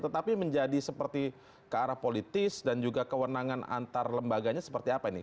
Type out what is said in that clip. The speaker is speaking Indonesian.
tetapi menjadi seperti ke arah politis dan juga kewenangan antar lembaganya seperti apa ini